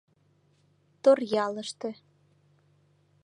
Торъялыште